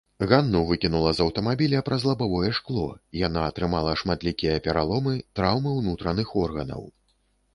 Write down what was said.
Ганну выкінула з аўтамабіля праз лабавое шкло, яна атрымала шматлікія пераломы, траўмы ўнутраных органаў.